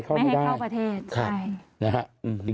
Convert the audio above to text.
เข้าไม่ได้ไม่ให้เข้าประเทศใช่